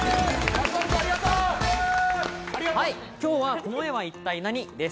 今日は、「この絵は一体ナニ！？」です。